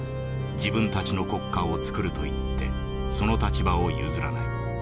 自分たちの国家をつくるといってその立場を譲らない。